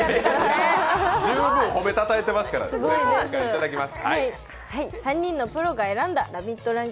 十分褒めたたえてますから、お持ち帰りいただきます。